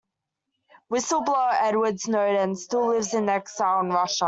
Whistle-blower Edward Snowden still lives in exile in Russia.